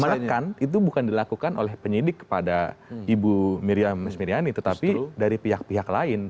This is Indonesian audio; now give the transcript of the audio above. menekan itu bukan dilakukan oleh penyidik kepada ibu miriam smiriani tetapi dari pihak pihak lain